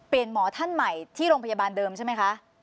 หมอท่านใหม่ที่โรงพยาบาลเดิมใช่ไหมคะ